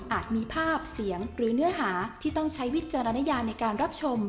มีภาพเสียงหรือเนื้อหาที่ต้องใช้วิจารณญาในการรับชม